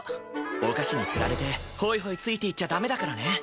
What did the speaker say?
お菓子に釣られてほいほいついていっちゃダメだからね。